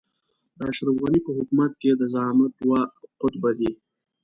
د اشرف غني په حکومت کې د زعامت دوه قطبه دي.